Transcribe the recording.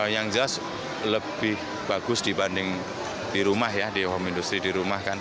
yang jelas lebih bagus dibanding di rumah ya di home industry di rumah kan